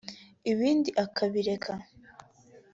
ibindi akabireka